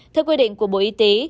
theo quy định của bộ y tế